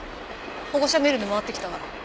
保護者メールで回ってきたから。